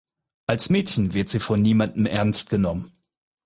Als Mädchen wird sie von niemandem erst genommen.